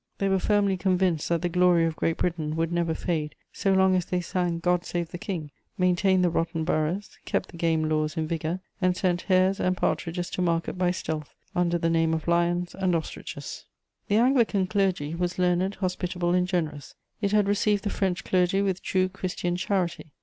They were firmly convinced that the glory of Great Britain would never fade so long as they sang God save the King, maintained the rotten boroughs, kept the game laws in vigour, and sent hares and partridges to market by stealth under the name of "lions" and "ostriches." The Anglican clergy was learned, hospitable, and generous; it had received the French clergy with true Christian charity.